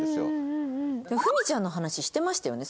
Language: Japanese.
フミちゃんの話してましたよね